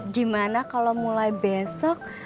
gimana kalau mulai besok